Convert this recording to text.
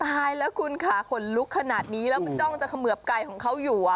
ตายแล้วคุณค่ะขนลุกขนาดนี้แล้วคุณจ้องจะเขมือบไก่ของเขาอยู่